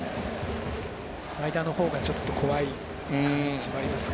スライダーの方がちょっと怖い感じですか。